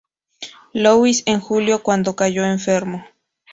Louis en julio, cuando cayó enfermo.